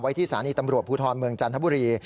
ที่สถานีตำรวจภูทรเมืองจันทบุรี